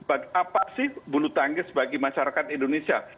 apa sih bulu tangkis bagi masyarakat indonesia